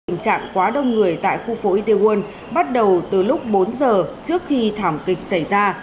tình trạng quá đông người tại khu phố iewon bắt đầu từ lúc bốn giờ trước khi thảm kịch xảy ra